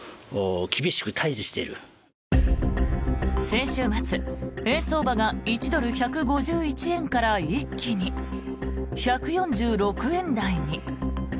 先週末、円相場が１ドル＝１５１円から一気に１４６円台に。